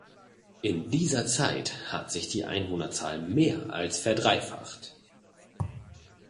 In dieser Zeit hat sich die Einwohnerzahl mehr als verdreifacht.